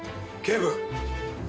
警部！